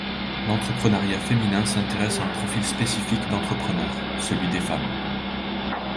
L'entrepreneuriat féminin s'intéresse à un profil spécifique d'entrepreneurs, celui des femmes.